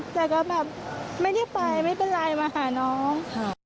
แต่ก็แบบไม่ได้ไปไม่เป็นไรมาหาน้อง